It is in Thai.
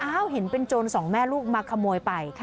เห็นเป็นโจรสองแม่ลูกมาขโมยไป